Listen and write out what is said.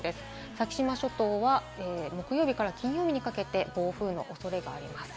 先島諸島は木曜日から金曜日にかけて暴風雨のおそれがあります。